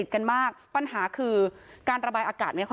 ชุมชนแฟลต๓๐๐๐๐คนพบเชื้อ๓๐๐๐๐คนพบเชื้อ๓๐๐๐๐คน